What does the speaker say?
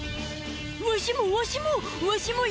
わしもわしも！